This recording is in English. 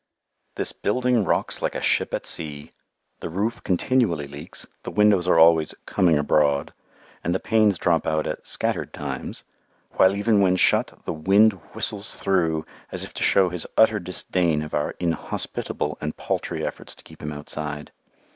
This building rocks like a ship at sea; the roof continually leaks, the windows are always "coming abroad," and the panes drop out at "scattered times," while even when shut, the wind whistles through as if to show his utter disdain of our inhospitable and paltry efforts to keep him outside.